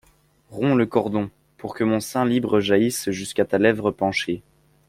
Romps le cordon, pour que mon sein libre jaillisse jusque ta lèvre penchée.